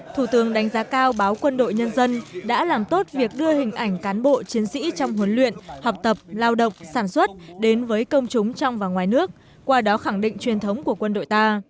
thủ tướng đánh giá cao báo quân đội nhân dân đã làm tốt việc đưa hình ảnh cán bộ chiến sĩ trong huấn luyện học tập lao động sản xuất đến với công chúng trong và ngoài nước qua đó khẳng định truyền thống của quân đội ta